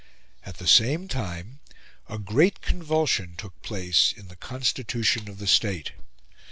At the same time a great convulsion took place in the constitution of the State.